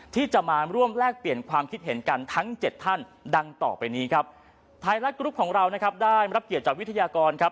ที่จะมาร่วมแลกเปลี่ยนความคิดเห็นกันทั้งเจ็ดท่านดังต่อไปนี้ครับไทยรัฐกรุ๊ปของเรานะครับได้รับเกียรติจากวิทยากรครับ